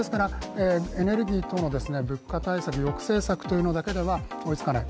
エネルギーとの物価対策、抑制策というのだけでは追いつかない。